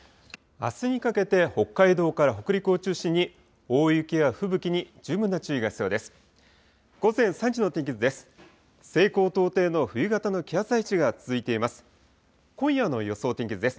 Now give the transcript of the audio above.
あすにかけて北海道から北陸を中心に、大雪や吹雪に十分な注意が必要です。